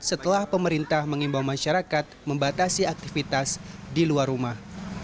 setelah pemerintah mengimbau masyarakat membatasi aktivitas di luar rumah